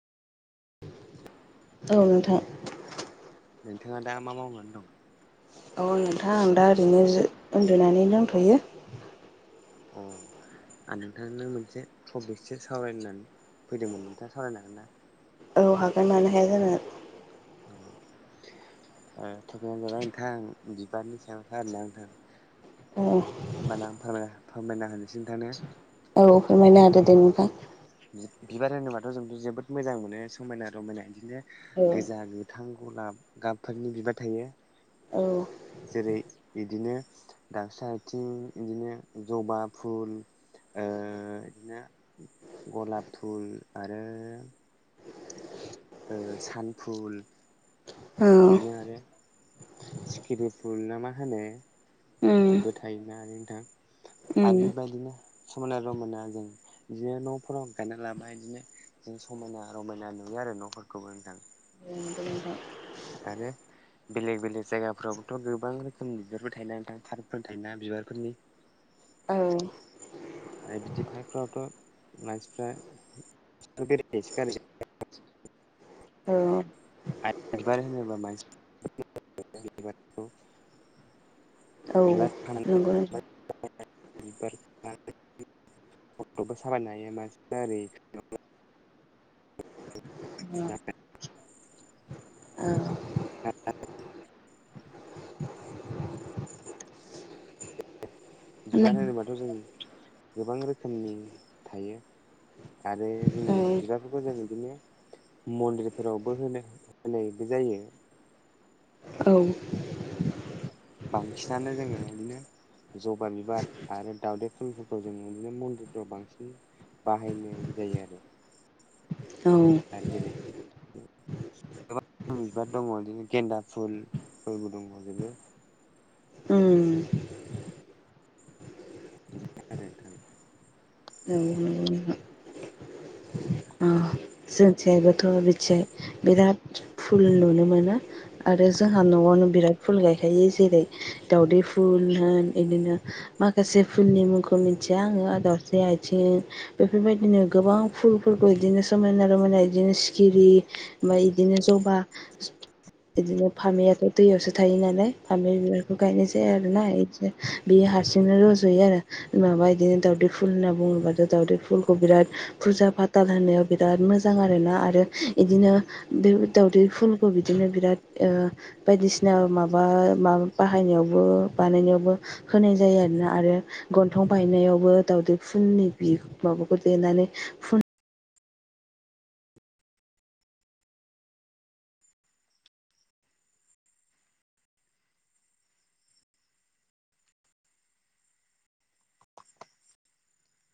औ नोंथां। नोंथाङा दा मा मावनानै दं? औ नोंथां आं दा ओरैनो उन्दुनानै दंथ'यो। अ। आरो नोंथाङा नों मोनसे टपिकसो सावरायनानै फैदोंमोन नोंथाङा सावरायनो हागोन ना? औ हागोन मानो हाया जानो। [unintelligible] थफैनो जाबाय नोंथां बिबारनि सायाव आरोनो नोंथां। औ। होमबाना फोरमायना होनोसै नोंथांनो। औ फोरमायना होदोदे नोंथां। बिबार होनोबाथ' जोंथ' जोबोद मोजां मोनो समायना रमायना बिदिनो औ गोजा गोथां गलाब गाबफोरनि बिबार थायो। जेरै बिदिनो। दावस्रि आथिं बिदिनो जबा फुल ओ बिदिनो गलाब फुल आरो। ओ सानफुल औ बिदिनो आरो सिखिरि फुल ना मा होनो। उम बो थायोना आरो नोंथां। उम आरो बेबायदिनो समायना रमा जों बिदिनो नफोराव गायना लाबाय बिदिनो जों समायना रमायना नुयो आरो नफोरखौबो नोंथां आरोे। बेलेग बेलेग जायगाफोरावथ गोबां रोखोम बिबारफोर थायोन नोंथां पार्कफोर थायोना बिबारफोरनि औ। आरो बिदि पार्कफोरावथ मानसिफ्रा। औ। [unintelligible] औ नंगौ [unintelligible] [unintelligible] नोंथां [unintelligible] औ बिबार होनोबाथ' जों गोबां रोखोमनि थायो आरो जोङो बिबारफोरखौ जों बिदिनो मन्दिरफोरावबो होनो होनायबो जायो। औ। बांसिनानो जोङो बिदिनो जबा बिबार आरो दावदै फुलफोरखौ जोङो बिदिनो मन्दिरफ्राव बांसिन बाहायनाय जायो आरो। औ। जैरै [unintelligible] गोबां बिबार दङ बिदिनो गेन्दा फुलफोरबो दंलाजोबो। ओम। [unintelligible] औ नोंगौ नोंथां। ओ जोंथिहायबोथ' बेथिजाय बिराद फुल नुनो मोनो आरो जोंहा नआवनो बिराद फुल गायखायो जेरै दावदै फुल होन इदिनो माखासे फुलनि मुंखौ मिथिया आङो दावस्रि आथिं बेफोरबायदिनो गोबां फुलफोरखौ इदिनो समायना रमायना इदिनो सिखिरि ओमफ्राय इदिनो जबा [inaudible] इदिनो फामेयाथ' दैयावसो थायो नालाय फामे बिबारखौ गायनाय जाया आरोना इदि। बेयो हारसिंनो रज'यो आरो। माबा इदिनो दाउदै फुल होनना बुङोबाथ दावदै फुलखौ बिराद फुजा फाथाल होनायाव बिराद मोजां आरोना आरो इदिनो बे दाउदै फुलखौ बिदिनो बिराद ओ बायदिसिना माबा मा बाहायनायावबो बानायनायावबो होनाय जायो आरोना आरो गन्थं बायनायावबो दावदै फुननि बि माबाखौ देनानै फुन